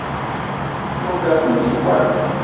Nwǐ nda ɲî oné̂ ìbwal